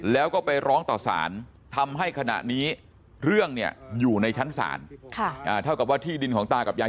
แล้วก็ไปร้องต่อสารทำให้ขณะนี้เรื่องเนี่ยอยู่ในชั้นศาลเท่ากับว่าที่ดินของตากับยาย